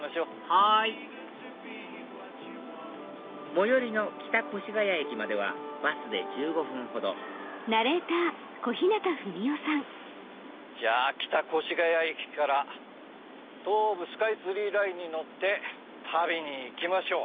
はい最寄りの北越谷駅まではバスで１５分ほどじゃあ北越谷駅から東武スカイツリーラインに乗って旅に行きましょう。